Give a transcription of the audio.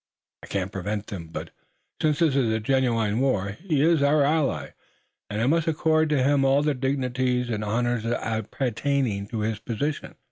I couldn't prevent them, but, since there is genuine war, he is our ally, and I must accord to him all the dignities and honors appertaining to his position."